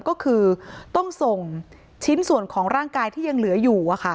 ก็คือต้องส่งชิ้นส่วนของร่างกายที่ยังเหลืออยู่